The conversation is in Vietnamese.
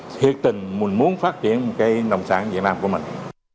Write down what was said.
nhiệt tình mình muốn phát triển một cái nông sản việt nam của mình